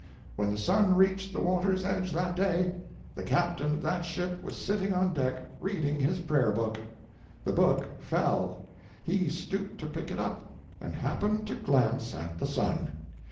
When the sun reached the water's edge that day, the captain of that ship was sitting on deck reading his prayer book. The book fell; he stooped to pick it up, and happened to glance at the sun.